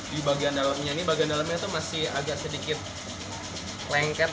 di bagian dalamnya ini bagian dalamnya itu masih agak sedikit lengket